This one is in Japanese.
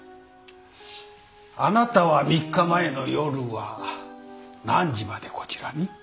あなたは３日前の夜は何時までこちらに？